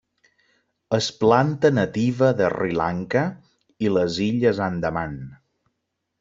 És planta nativa de Sri Lanka i les Illes Andaman.